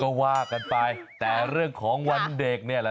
ก็ว่ากันไปแต่เรื่องของวันเด็กเนี่ยแหละ